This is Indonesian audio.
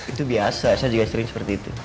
itu biasa saya juga sering seperti itu